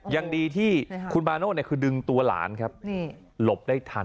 อย่างดีที่คุณมาโน่เนี่ยคือดึงตัวหลานครับนี่หลบได้ทัน